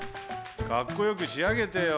かっこよくしあげてよ。